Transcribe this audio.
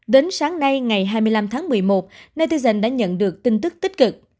đến sáng nay ngày hai mươi năm tháng một mươi một natison đã nhận được tin tức tích cực